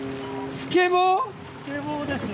スケボーですね。